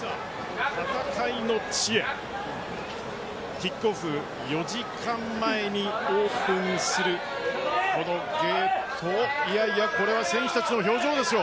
キックオフ４時間前にオープンするこのゲートをいやいやこれは選手たちの表情ですよ。